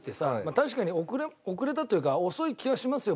確かに遅れたというか遅い気はしますよ